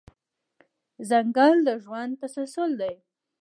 ځنګل د ژوند تسلسل دی.